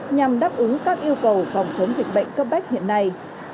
nhằm đáp ứng các yêu cầu phòng chống dịch bệnh cấp bách hiện nay